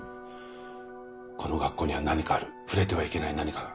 この学校には何かある触れてはいけない何かが。